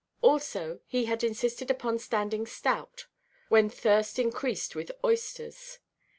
Also he had insisted upon standing stout, when thirst increased with oysters.